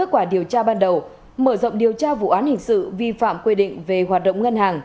kết quả điều tra ban đầu mở rộng điều tra vụ án hình sự vi phạm quy định về hoạt động ngân hàng